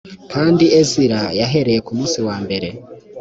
kandi ezira yahereye ku munsi wa mbere